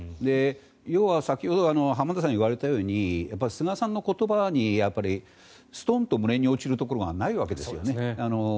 要は、先ほど浜田さんが言われたように菅さんの言葉にストンと胸に落ちるところがないわけですね。